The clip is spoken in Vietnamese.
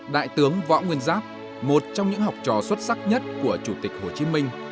đại tướng võ nguyên giáp một trong những học trò xuất sắc nhất của hồ chí minh